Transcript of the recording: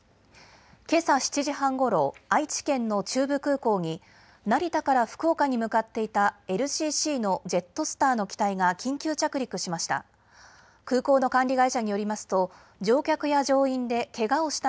けさ７時半ごろ、愛知県の中部空港に成田から福岡に向かっていたＬＣＣのジェットスターの機体が緊急着陸しました。